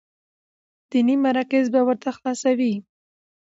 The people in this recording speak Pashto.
ديني مراکز به ورته خلاصوي،